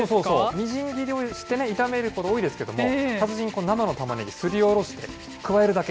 みじん切りをして炒めること多いですけれども、達人、生のたまねぎ、すりおろして加えるだけ。